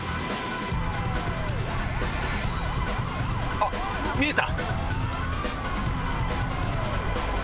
⁉あっ見えた！